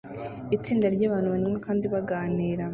Itsinda ryabantu banywa kandi baganira